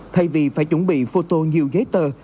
thay vì phải chuẩn bị photo nhiều giấy tờ